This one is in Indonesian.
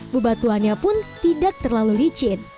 bebatuannya pun tidak terlalu licin